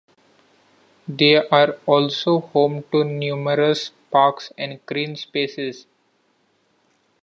They are also home to numerous parks and green spaces.